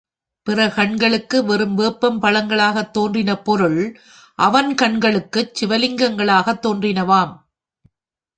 பிறர் கண்களுக்கு வெறும் வேப்பம் பழங்களாகத் தோன்றின பொருள் அவன் கண்களுக்குச் சிவலிங்கங்களாகத் தோன்றினவாம்.